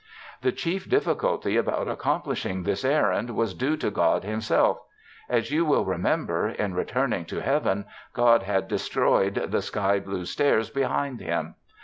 The chief difficulty about accomplishing this errand was due to God Himself; as you will remember, in returning to Heaven God had destroyed the sky blue stairs behind Him.